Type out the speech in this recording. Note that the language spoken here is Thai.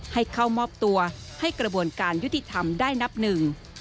ให้เข้ามอบตัวให้กระบวนการยุติธรรมได้นับหนึ่ง